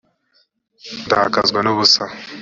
ndakazwa n’ubusa